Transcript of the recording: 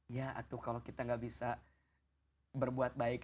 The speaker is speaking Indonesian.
ya aduh kalau kita gak bisa berbuat baik